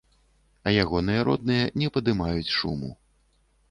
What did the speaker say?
А ягоныя родныя не падымаюць шуму.